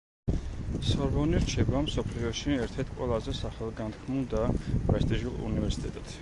სორბონი რჩება მსოფლიოში ერთ-ერთ ყველაზე სახელგანთქმულ და პრესტიჟულ უნივერსიტეტად.